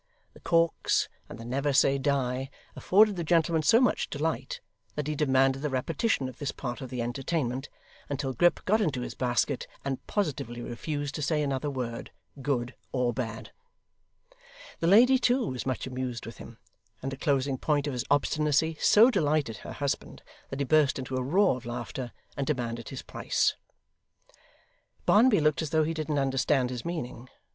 The corks, and the never say die, afforded the gentleman so much delight that he demanded the repetition of this part of the entertainment, until Grip got into his basket, and positively refused to say another word, good or bad. The lady too, was much amused with him; and the closing point of his obstinacy so delighted her husband that he burst into a roar of laughter, and demanded his price. Barnaby looked as though he didn't understand his meaning.